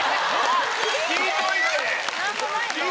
聞いといて。